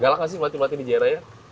galak gak sih melatih latih di jaya raya